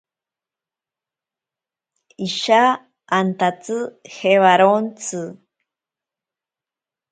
Isha antatsi jewarontsi.